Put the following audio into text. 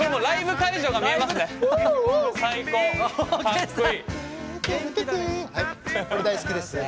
ライブ会場が見えますね。